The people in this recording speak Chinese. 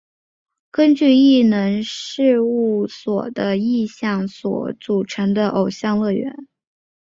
根据艺能事务所的意向所组成的偶像乐团。